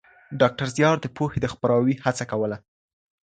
ډاکټر زیار د پوهې د خپراوي هڅه کوله.